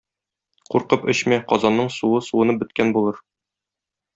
Куркып эчмә, казанның суы суынып беткән булыр.